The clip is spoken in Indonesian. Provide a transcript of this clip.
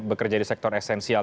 bekerja di sektor esensial